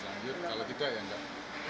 setio juga mempertanyakan